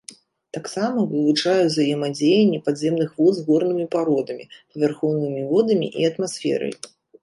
Таксама вывучае узаемадзеянне падземных вод з горнымі пародамі, павярхоўнымі водамі і атмасферай.